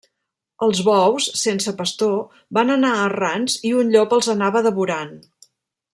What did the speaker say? Els bous, sense pastor, van anar errants i un llop els anava devorant.